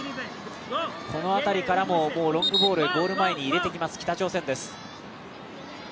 このあたりからもロングボールゴール前に入れてきます、北朝鮮です。